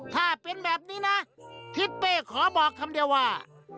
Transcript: ถ้าเป็นแบบนี้นะทิศเป้ขอบอกคำเดียวว่า